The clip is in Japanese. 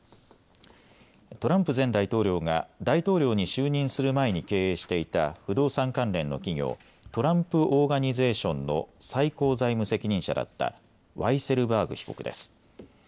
トランプ前大統領が大統領に就任する前に経営していた不動産関連の企業、トランプ・オーガニゼーションの最高財務責任者だったワイセルバーグ被告です。